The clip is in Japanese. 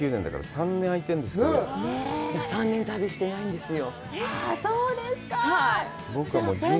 ３年、旅してないんですよ。